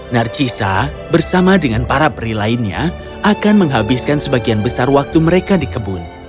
narcisa bersama dengan para peri lainnya akan menghabiskan sebagian besar waktu mereka di kebun